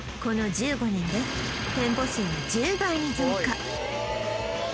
この１５年で店舗数は１０倍に増加